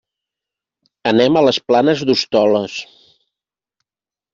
Anem a les Planes d'Hostoles.